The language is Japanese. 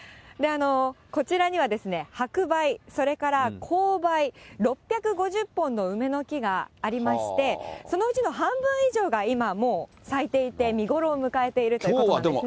こちらには白梅、それから紅梅、６５０本の梅の木がありまして、そのうちの半分以上が今、もう咲いていて、見頃を迎えているということなんですね。